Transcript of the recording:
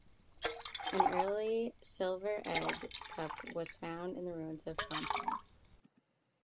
An early silver egg cup was found in the ruins of Pompeii.